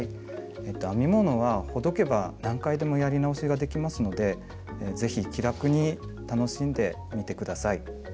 編み物はほどけば何回でもやり直しができますので是非気楽に楽しんでみて下さい。